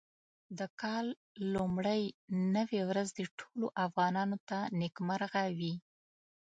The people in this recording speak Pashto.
د کال لومړۍ نوې ورځ دې ټولو افغانانو ته نېکمرغه وي.